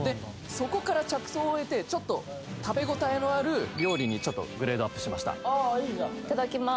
そこから着想を得てちょっと食べ応えのある料理にちょっとグレードアップしましたああいいじゃんいただきます